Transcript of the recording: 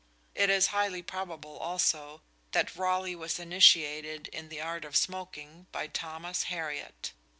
It is highly probable, also, that Raleigh was initiated in the art of smoking by Thomas Hariot.